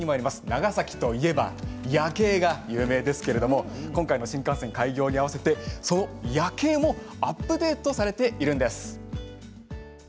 長崎といえば夜景が有名ですけれど今回の新幹線開業に合わせて夜景もアップデートされているんです。